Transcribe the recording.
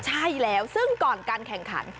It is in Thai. ใช่แล้วซึ่งก่อนการแข่งขัน